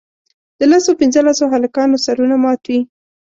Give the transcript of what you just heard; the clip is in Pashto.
د لسو پینځلسو هلکانو سرونه مات وي.